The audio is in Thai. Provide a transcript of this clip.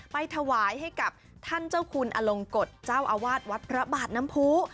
ไปถวายให้กับท่านเจ้าคุณอลงกฎเจ้าอาวาสวัดพระบาทน้ำพู